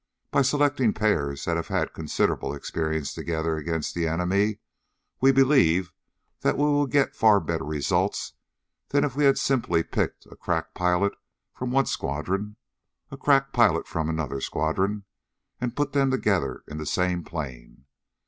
By selecting pairs that have had considerable experience together against the enemy, we believe that we will get far better results than if we had simply picked a crack pilot from one squadron, a crack pilot from another squadron, and put them together in the same plane.